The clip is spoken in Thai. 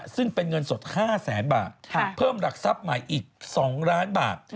ซึ่งเป็นเงินสด๕แสนบาทเพิ่มหลักทรัพย์ใหม่อีก๒ล้านบาท